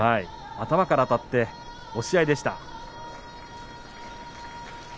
頭からあたって押し合いでした。